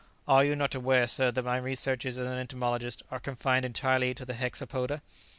"Are you not aware, sir, that my researches as an entomologist are confined entirely to the hexapoda?"